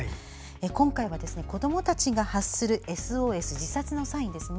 今回は子どもたちが発するＳＯＳ自殺のサインですね。